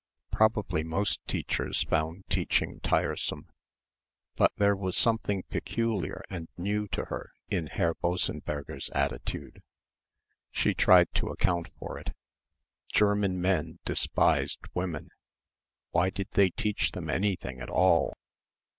Probably most teachers found teaching tiresome. But there was something peculiar and new to her in Herr Bossenberger's attitude. She tried to account for it ... German men despised women. Why did they teach them anything at all?